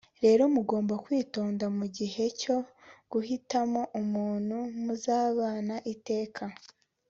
rero mugomba kwitonda mu gihe cyo guhitamo umuntu muzabana iteka